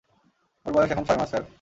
ওর বয়স এখন ছয় মাস, স্যার।